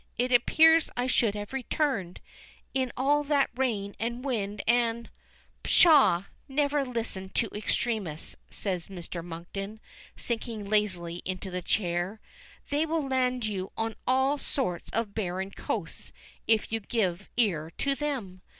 It appears I should have returned, in all that rain and wind and " "Pshaw! Never listen to extremists," says Mr. Monkton, sinking lazily into a chair. "They will land you on all sorts of barren coasts if you give ear to them.